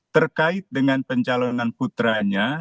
terkait dengan pencalonan putranya